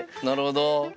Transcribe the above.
なるほど。